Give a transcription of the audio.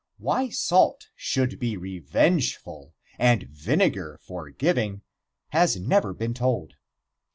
Why salt should be revengeful and vinegar forgiving has never been told.